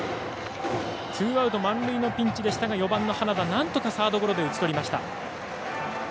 ツーアウト満塁のピンチでしたが４番、花田、なんとかサードゴロで打ち取りました。